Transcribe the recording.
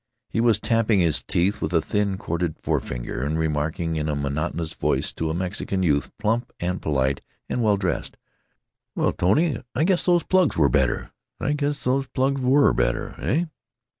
He was tapping his teeth with a thin corded forefinger and remarking in a monotonous voice to a Mexican youth plump and polite and well dressed, "Wel l l l, Tony, I guess those plugs were better; I guess those plugs were better. Heh?"